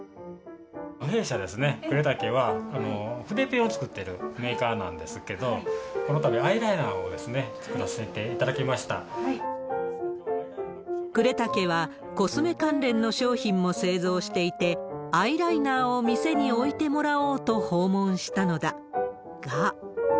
弊社、呉竹は、筆ペンを作ってるメーカーなんですけど、このたび、アイライナー呉竹は、コスメ関連の商品も製造していて、アイライナーを店に置いてもらおうと訪問したのだが。